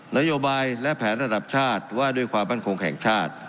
นโยบายและแผนระดับชาติว่าด้วยความมั่นคงแห่งชาติ